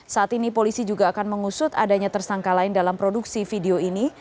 saat ini polisi juga akan mengusut adanya tersangka lain dalam produksi video ini